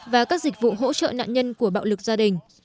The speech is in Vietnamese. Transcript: và các dịch vụ hỗ trợ nạn nhân của bạo lực gia đình